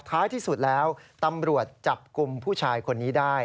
ท้ายที่สุดแล้วตำรวจจับกลุ่มผู้ชายคนนี้ได้